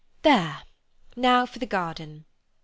There! Now for the garden."